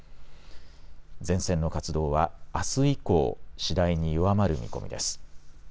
前線の活動はあす以降、次第に弱まる見込みです。